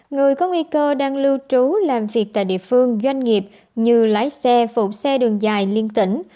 người có nguy cơ đang lưu trú làm việc tại địa phương doanh nghiệp như lái xe phụ xe đường dài liên tỉnh